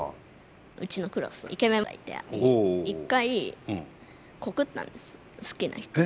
うちのクラスイケメンがいて一回告ったんです